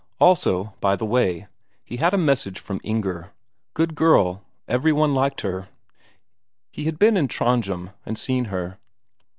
Also, by the way, he had a message from Inger good girl, every one liked her; he had been in Trondhjem, and seen her.